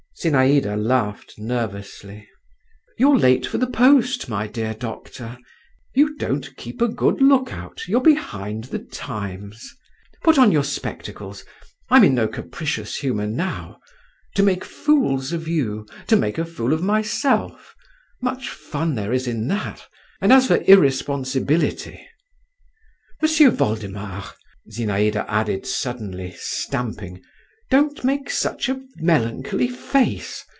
Zinaïda laughed nervously. "You're late for the post, my dear doctor. You don't keep a good look out; you're behind the times. Put on your spectacles. I'm in no capricious humour now. To make fools of you, to make a fool of myself … much fun there is in that!—and as for irresponsibility … M'sieu Voldemar," Zinaïda added suddenly, stamping, "don't make such a melancholy face.